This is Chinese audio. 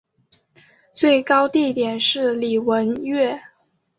最高地点是礼文岳。